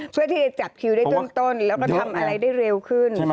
เพื่อที่จะจับคิวได้ต้นแล้วก็ทำอะไรได้เร็วขึ้น